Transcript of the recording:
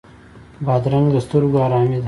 بادرنګ د سترګو آرامي ده.